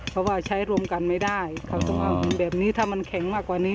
เพราะว่าใช้รวมกันไม่ได้เขาจะว่าแบบนี้ถ้ามันแข็งมากกว่านี้